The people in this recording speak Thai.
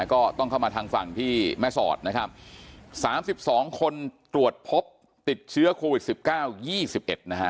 ก็ต้องเข้ามาทางฝั่งที่แม่สอดนะครับ๓๒คนตรวจพบติดเชื้อโควิด๑๙๒๑นะครับ